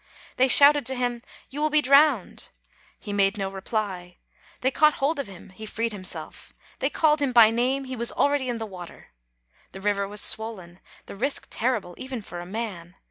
They shouted to him, 'You will be drowned!' he made no reply; they 242 APRIL caught hold of him he freed himself; they called him by name he was already in the water. The river was swollen; the risk terrible, even for a man.